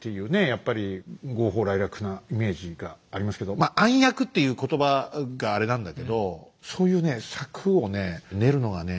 やっぱり豪放らいらくなイメージがありますけどまあ暗躍っていう言葉があれなんだけどそういうね